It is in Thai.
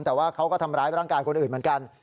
แต่ว่าเขาก็ทำร้ายร่างกายคนอื่นเหมือนกัน